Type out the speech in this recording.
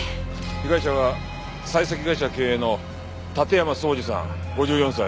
被害者は採石会社経営の館山荘司さん５４歳。